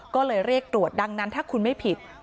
ก็เลยเรียกตรวจดังนั้นถ้าคุณไม่ผิด